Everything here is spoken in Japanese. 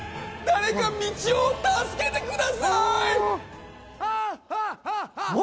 誰かみちおを助けてください！